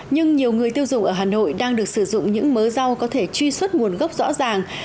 nhưng nhiều người tiêu dùng ở hà nội đang được sử dụng những mớ rau có thể truy xuất nguồn gốc rõ ràng